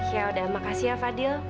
yaudah makasih ya fadil